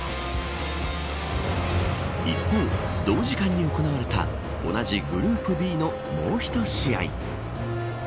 一方、同時間に行われた同じグループＢのもうひと試合。